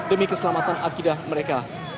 demi keselamatan akidah mereka